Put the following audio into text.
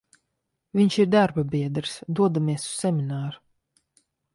Vinš ir darbabiedrs, dodamies uz semināru.